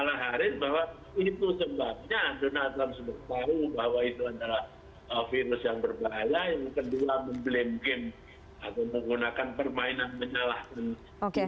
yang kedua memblame game atau menggunakan permainan menyalahkan